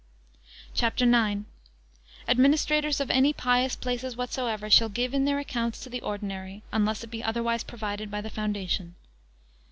CHAPTER IX. Administrators of any pious places whatsoever shall give in their accounts to the Ordinary, unless it be otherwise provided by the foundation.